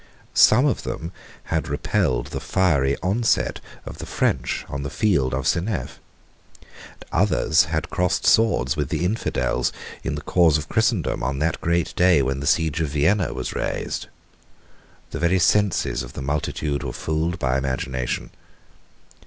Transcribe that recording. Some of them had repelled the fiery onset of the French on the field of Seneff; and others had crossed swords with the infidels in the cause of Christendom on that great day when the siege of Vienna was raised. The very senses of the multitude were fooled by imagination.